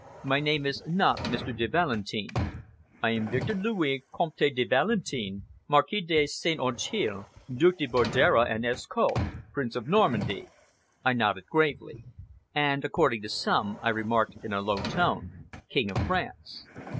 My name is not Mr. de Valentin. I am Victor Louis, Comte de Valentin, Marquis de St. Auteuil, Duc de Bordera and Escault, Prince of Normandy." I nodded gravely. "And according to some," I remarked in a low tone, "King of France!"